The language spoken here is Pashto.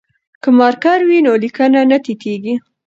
که مارکر وي نو لیکنه نه تتېږي.